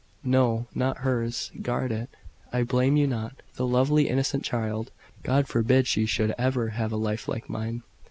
"No, not hers. Guard it. I blame you not. The lovely, innocent child! God forbid she should ever have a life like mine!"